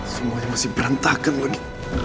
semuanya masih berantakan lagi